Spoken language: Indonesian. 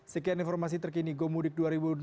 sekian informasi terkini go mudik dua ribu enam belas